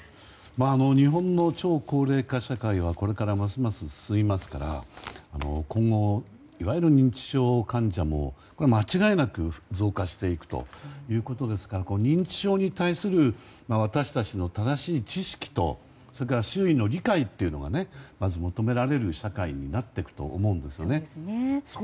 日本の超高齢化社会はこれからますます進みますから今後、いわゆる認知症患者も間違いなく増加していきますから認知症に対する私たちの正しい知識とそれから周囲の理解が求められる社会になっていくと思うんですよね。